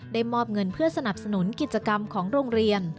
มอบเงินเพื่อสนับสนุนกิจกรรมของโรงเรียน